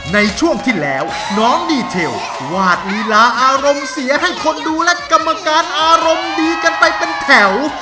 ในช่วงที่แล้วน้องดีเทลวาดลีลาอารมณ์เสียให้คนดูและกรรมการอารมณ์ดีกันไปเป็นแถว